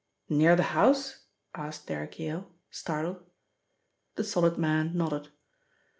"Near the house?" asked Derrick Yale, startled, The solid man nodded.